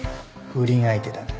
不倫相手だな。